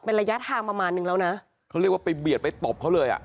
ระยะทางประมาณนึงแล้วนะเขาเรียกว่าไปเบียดไปตบเขาเลยอ่ะ